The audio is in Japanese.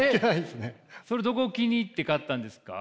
それどこを気に入って買ったんですか？